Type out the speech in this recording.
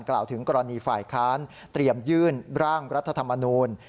กล่าวถึงกรณีฝ่ายค้านเตรียมยื่นร่างรัฐธรรมนูล